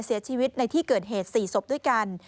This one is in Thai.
เสียชีวิตในที่เกิดเหตุ๔ศพด้วยกัน